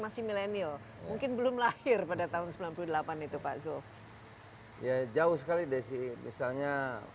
masih milenial mungkin belum lahir pada tahun sembilan puluh delapan itu pak zul ya jauh sekali desi misalnya